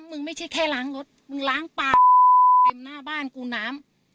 มึงไม่ใช่แค่ล้างรถมึงล้างปลาหน้าบ้านกูน้ำ